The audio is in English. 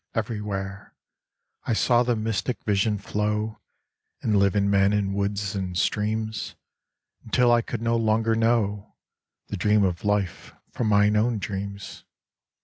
Everywhere I saw the mystic vision flow And live in men and woods and streams , Until I could no longer know The dream of life from my own dreams.